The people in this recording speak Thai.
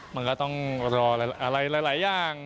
มันก็ต้องรออะไรหลายอย่าง